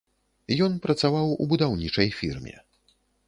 Ён працаваў у будаўнічай фірме.